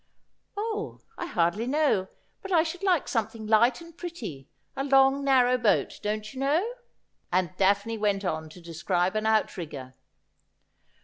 ' Oh, I hardly know ; but I should like something light and pretty, a long, narrow boat, don't you know*?' and Daphne went on to describe an outrigger.